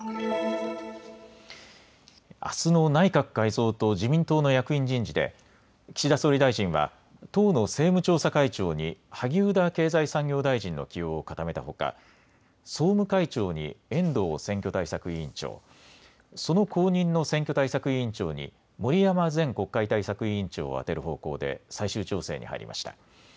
あすの内閣改造と自民党の役員人事で岸田総理大臣は党の政務調査会長に萩生田経済産業大臣の起用を固めたほか、総務会長に遠藤選挙対策委員長、その後任の選挙対策委員長に森山前国会対策委員長を充てる方向で最終調整に入りました。